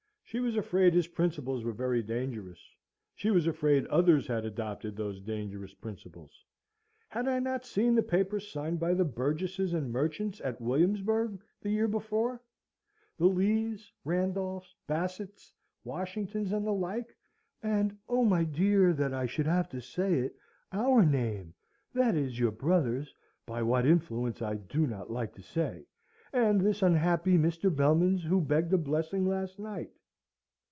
She was afraid his principles were very dangerous: she was afraid others had adopted those dangerous principles. Had I not seen the paper signed by the burgesses and merchants at Williamsburg the year before the Lees, Randolphs, Bassets, Washingtons, and the like, and oh, my dear, that I should have to say it, our name, that is, your brother's (by what influence I do not like to say), and this unhappy Mr. Belman's who begged a blessing last night?